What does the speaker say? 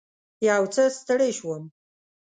یو څه ستړې شوم.